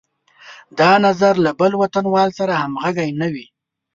دا نظر له بل وطنوال سره همغږی نه وي.